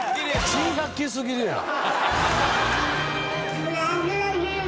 珍百景すぎるやん。